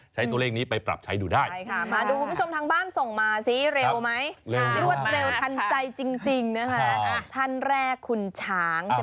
ท่านแรกคุณช้างใช่ไหมคะ